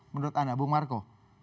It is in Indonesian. menurut anda bu marco